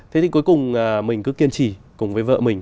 thế thì cuối cùng mình cứ kiên trì cùng với vợ mình